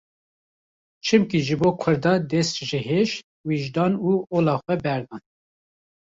Çimkî ji bo Kurda dest ji heş, wijdan û ola xwe berdan.